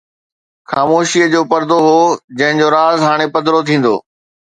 خاموشيءَ جو پردو هو، جنهن جو راز هاڻي پڌرو ٿيندو